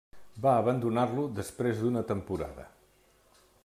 Va abandonar-lo després d'una temporada.